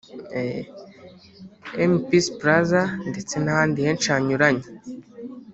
M Peace plaza ndetse n'ahandi henshi hanyuranye